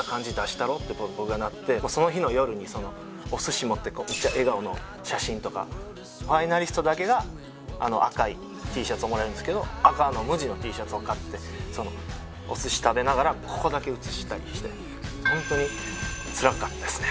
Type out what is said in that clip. たろって僕がなってその日の夜にお寿司持ってむっちゃ笑顔の写真とかファイナリストだけが赤いＴシャツをもらえるんですけど赤の無地のＴシャツを買ってお寿司食べながらここだけ写したりしてホントにつらかったですね